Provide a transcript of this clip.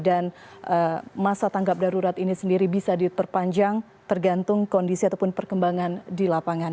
dan masa tanggap darurat ini sendiri bisa diperpanjang tergantung kondisi ataupun perkembangan di lapangan